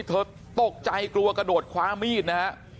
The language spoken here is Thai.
เธอตกใจกลัวกระโดดคว้ามีดนะฮะ